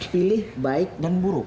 pilih baik dan buruk